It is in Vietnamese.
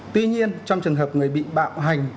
tuy nhiên trong trường hợp người bị bạo hành